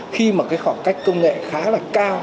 khi mà cái khoảng cách công nghệ khá là cao